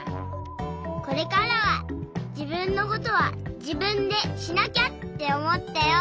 これからはじぶんのことはじぶんでしなきゃっておもったよ。